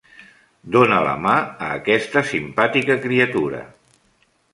Dona la mà a aquesta simpàtica criatura.